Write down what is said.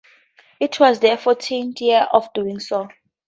It was their fourteenth year of doing so.